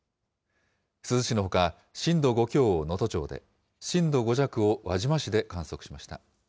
珠洲市のほか、震度５強を能登町で、震度５弱を輪島市で観測しました。